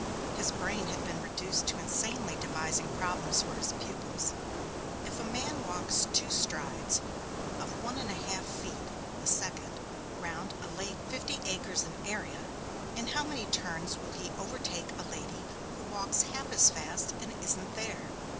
His brain had been reduced to insanely devising problems for his pupils if a man walks two strides of one and a half feet a second round a lake fifty acres in area, in how many turns will he overtake a lady who walks half as fast and isn't there?